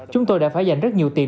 chúng tôi đã phải dành rất nhiều tiền